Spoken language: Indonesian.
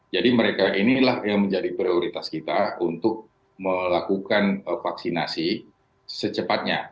jadi mereka inilah yang menjadi prioritas kita untuk melakukan vaksinasi secepatnya